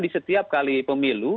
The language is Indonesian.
di setiap kali pemilu